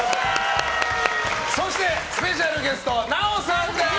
そしてスペシャルゲスト奈緒さんです！